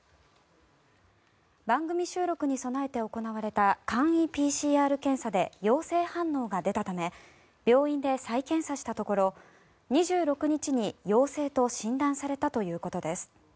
番組収録に備えて行われた簡易ＰＣＲ検査で陽性反応が出たため病院で再検査したところ２６日に陽性と診断されたということです。